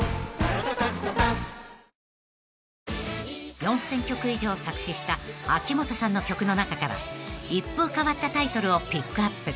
［４，０００曲以上作詞した秋元さんの曲の中から一風変わったタイトルをピックアップ］